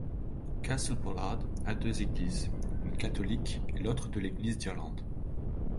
Castlepollard a deux églises, une catholique et l'autre de l'Église d'Irlande.